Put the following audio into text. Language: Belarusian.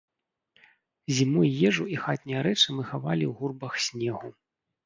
Зімой ежу і хатнія рэчы мы хавалі ў гурбах снегу.